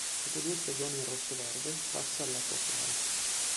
Dopo due stagioni in rossoverde, passa all'Acquachiara.